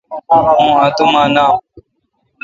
اون اتوما نام۔